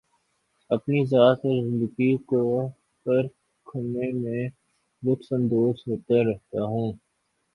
اپنی ذات اور زندگی کو پرکھنے میں لطف اندوز ہوتا رہتا ہوں